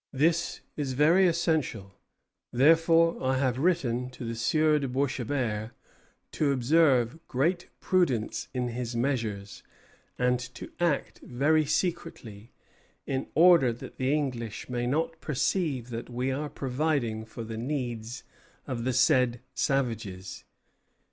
This is very essential; therefore I have written to the Sieur de Boishébert to observe great prudence in his measures, and to act very secretly, in order that the English may not perceive that we are providing for the needs of the said savages.